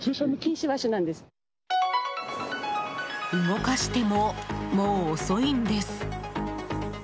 動かしても、もう遅いんです。